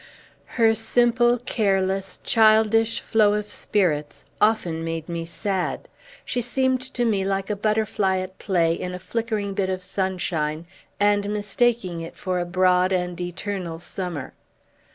Her simple, careless, childish flow of spirits often made me sad. She seemed to me like a butterfly at play in a flickering bit of sunshine, and mistaking it for a broad and eternal summer.